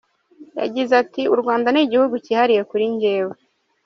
Yagize ati “U Rwanda ni igihugu cyihariye kuri njyewe.